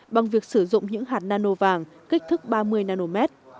bằng việc sử dụng những hạt nano vàng kích thước ba mươi nm